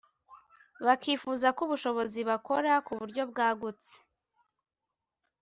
bakifuza ko ubushobozi bakora ku buryo bwagutse